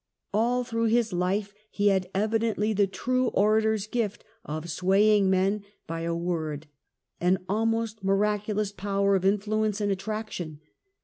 All through his hfe he had evidently the true orator's gift of swaying men by a word, an almost mira culous power of influence and attraction.